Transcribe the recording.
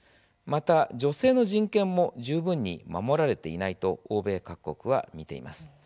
また、女性の人権も十分に守られていないと欧米各国は見ています。